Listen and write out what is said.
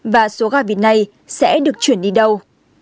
và số gà vịt này sẽ được chuyển đi đâu